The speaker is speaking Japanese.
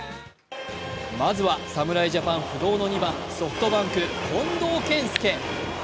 まずは侍ジャパン不動の２番ソフトバンク・近藤健介。